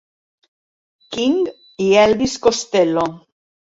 King i Elvis Costello.